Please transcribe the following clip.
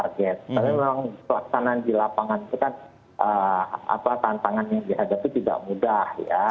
tapi memang pelaksanaan di lapangan itu kan tantangan yang dihadapi tidak mudah ya